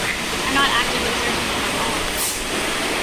I am not actively searching for a role at the moment.